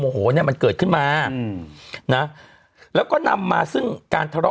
โหเนี่ยมันเกิดขึ้นมาอืมนะแล้วก็นำมาซึ่งการทะเลาะ